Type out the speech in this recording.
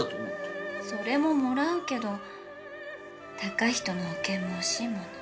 それももらうけど嵩人の保険も欲しいもの。